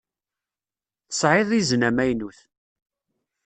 Tesɛiḍ izen amaynut.